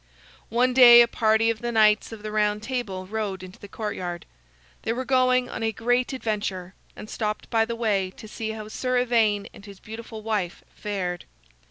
One day a party of the Knights of the Round Table rode into the courtyard. They were going on a great adventure, and stopped by the way to see how Sir Ivaine and his beautiful wife fared.